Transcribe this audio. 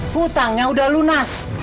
hutangnya udah lunas